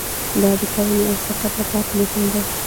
دا د کرنې او سفر لپاره مهم دی.